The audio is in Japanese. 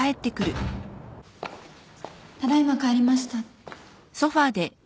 ただ今帰りました。